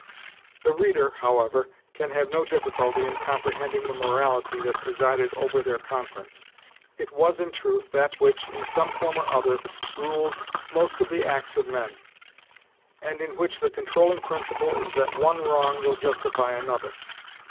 The reader, however, can have no difficulty in comprehending the morality that presided over their conference. It was, in truth, that which, in some form or other, rules most of the acts of men, and in which the controlling principle is that one wrong will justify another.